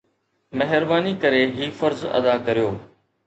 مهرباني ڪري هي فرض ادا ڪريو.